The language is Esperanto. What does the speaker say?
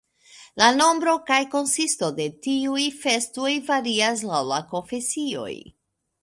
La nombro kaj konsisto de tiuj festoj varias laŭ la konfesioj.